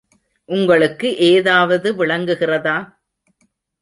உங்களுக்கு ஏதாவது விளங்குகிறதா?